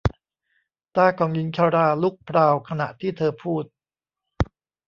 ตาของหญิงชราลุกพราวขณะที่เธอพูด